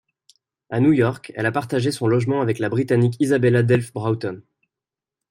À New York, elle a partagé son logement avec la britannique Isabella Delves Broughton.